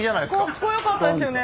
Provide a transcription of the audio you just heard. かっこよかったですよね。